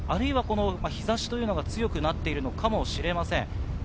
日差しが強くなっているのかもしれません。